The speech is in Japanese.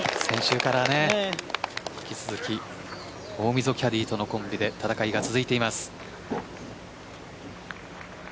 先週から引き続き大溝キャディーとのコンビで戦いが続いています。